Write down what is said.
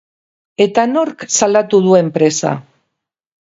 Eta nork salatu du enpresa?